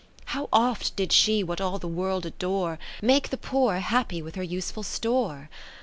How oft did she what all the World adore. Make the poor happy with her use ful store